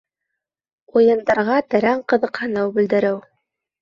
Уйындарға тәрән ҡыҙыҡһыныу белдереү